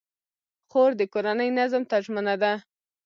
خور د کورنۍ نظم ته ژمنه ده.